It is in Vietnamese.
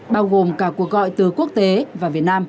bao gồm cả cuộc gọi từ quốc tế và việt nam